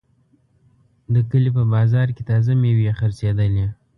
د کلي په بازار کې تازه میوې خرڅېدلې.